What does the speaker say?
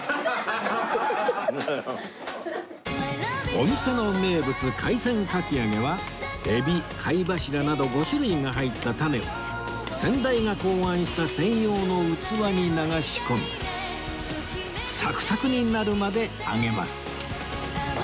お店の名物海鮮かき揚げはエビ貝柱など５種類が入ったタネを先代が考案した専用の器に流し込みサクサクになるまで揚げます